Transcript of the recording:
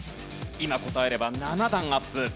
今答えれば７段アップ。